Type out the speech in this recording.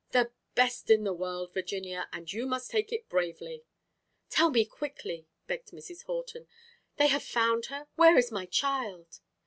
"The best in the world, Virginia, and you must take it bravely." "Tell me quickly," begged Mrs. Horton. "They have found her? Where is my child?"